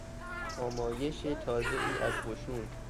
آمایش تازهای از قشون